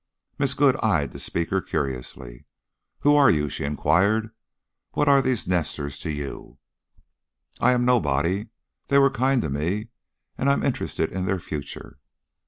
Miss Good eyed the speaker curiously. "Who are you?" she inquired. "What are these nesters to you?" "I am nobody. They were kind to me and I'm interested in their future."